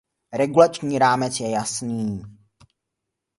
Regulační rámec je jasný.